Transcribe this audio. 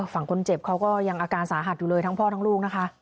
ฝั่งคนเจ็บเขาก็ยังอาการสาหัสอยู่เลยทั้งพ่อทั้งลูกนะคะ